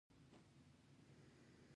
احمد له ملګرتیا څخه لاس واخيست